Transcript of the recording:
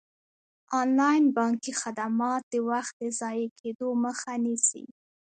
انلاین بانکي خدمات د وخت د ضایع کیدو مخه نیسي.